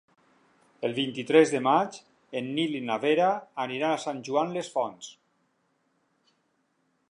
El vint-i-tres de maig en Nil i na Vera aniran a Sant Joan les Fonts.